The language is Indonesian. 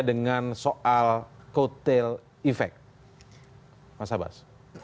hubungannya dengan soal coattail effect mas abbas